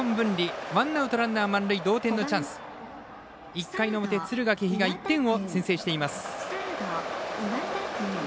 １回の表、敦賀気比が１点を先制しています。